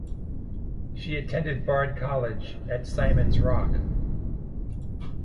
She attended Bard College at Simon's Rock.